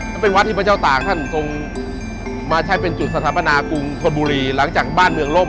และเป็นวัดที่พระเจ้าต่างท่านทรงมาใช้เป็นจุดสถาปนากรุงธนบุรีหลังจากบ้านเมืองล่ม